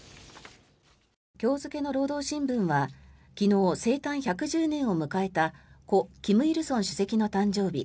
今日付の労働新聞は昨日、生誕１１０年を迎えた故・金日成主席の誕生日